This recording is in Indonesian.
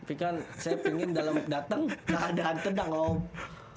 tapi kan saya pengen dateng gak ada hancenang loh